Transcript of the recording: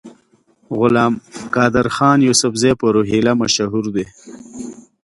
غلام قادرخان یوسفزي په روهیله مشهور دی.